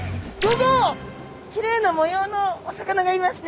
きれいな模様のお魚がいますね。